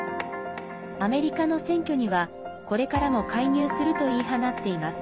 アメリカの選挙には、これからも介入すると言い放っています。